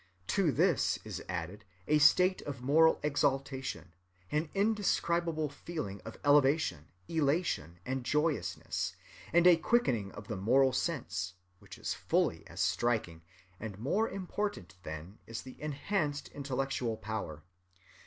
To this is added a state of moral exaltation, an indescribable feeling of elevation, elation, and joyousness, and a quickening of the moral sense, which is fully as striking, and more important than is the enhanced intellectual power.